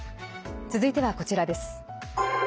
続いてはこちらです。